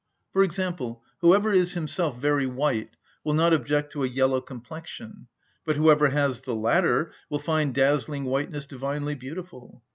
For example, whoever is himself very white will not object to a yellow complexion; but whoever has the latter will find dazzling whiteness divinely beautiful.